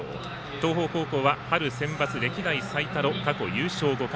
東邦高校は春センバツ歴代最多の過去優勝５回。